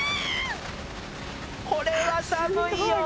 これは寒いよ